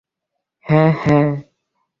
হ্যাঁ, হ্যাঁ!